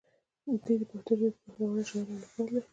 دی د پښتو ژبې پیاوړی شاعر او لیکوال دی.